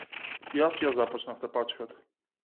Јас ја започнав тепачката.